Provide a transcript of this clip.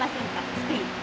スペイン。